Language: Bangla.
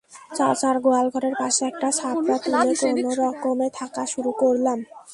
চাচার গোয়াল ঘরের পাশে একটা ছাপড়া তুলে কোনোরকমে থাকা শুরু করলাম।